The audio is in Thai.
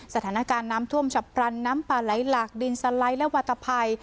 สถานการณ์น้ำท่วมฉับพลันน้ำป่าไหลหลากดินสไลด์และวัตถภัย